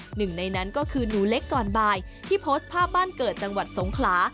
หนึ่งในนั้นก็คือหนูเล็กก่อนบ่ายที่โพสต์ภาพบ้านเกิดจังหวัดสงขลา